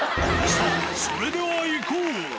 さあ、それではいこう。